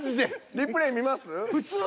リプレイ見ます？